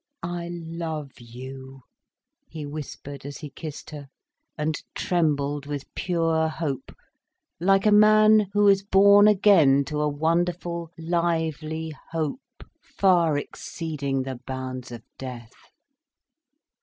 "I love you," he whispered as he kissed her, and trembled with pure hope, like a man who is born again to a wonderful, lively hope far exceeding the bounds of death.